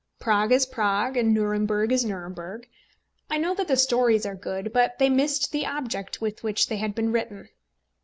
Prague is Prague, and Nuremberg is Nuremberg. I know that the stories are good, but they missed the object with which they had been written.